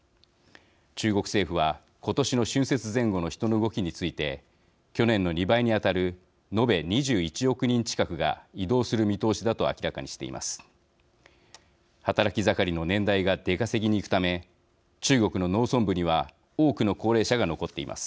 中国政府は、今年の春節前後の人の動きについて去年の２倍に当たる延べ２１億人近くが移動する見通しだと明らかにしています。